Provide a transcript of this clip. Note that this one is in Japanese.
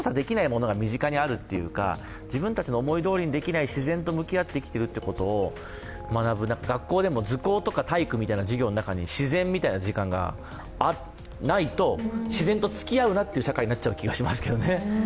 身近にあるというか自分たちの思いどおりにできない、自然と向き合って生きてるってことを学ぶ学校でも、図工とか体育の中に自然というものがないと、自然とつきあうなという社会になっちゃう気がしますけどね。